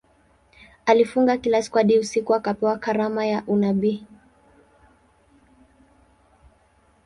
Alifunga kila siku hadi usiku akapewa karama ya unabii.